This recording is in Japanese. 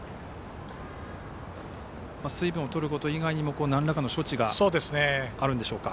水分を取ること以外にもなんらかの処置があるでしょうか。